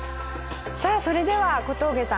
さあそれでは小峠さん